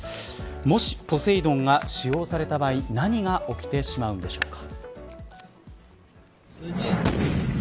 もし、ポセイドンが使用された場合何が起きてしまうんでしょうか。